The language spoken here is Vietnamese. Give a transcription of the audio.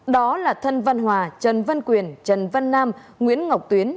đó là thân văn hòa trần văn quyền trần văn nam nguyễn ngọc tuyến